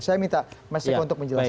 saya minta mas eko untuk menjelaskan